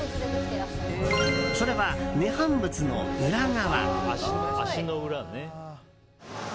それは、涅槃仏の裏側。